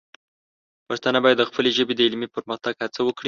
پښتانه باید د خپلې ژبې د علمي پرمختګ هڅه وکړي.